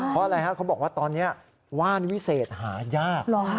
เพราะอะไรฮะเขาบอกว่าตอนนี้ว่านวิเศษหายาก